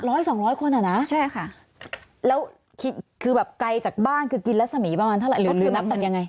ร้อยสองร้อยคนอ่ะนะใช่ค่ะแล้วคิดคือแบบไกลจากบ้านคือกินรัศมีประมาณเท่าไหร่หรือนับจากยังไง